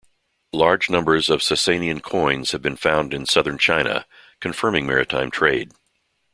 Large numbers of Sasanian coins have been found in southern China, confirming maritime trade.